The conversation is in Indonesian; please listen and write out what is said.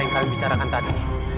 yang kami bicarakan tadi